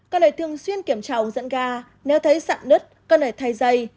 cần để thường xuyên kiểm tra ống dẫn ga nếu thấy sặn nứt cần để thay dây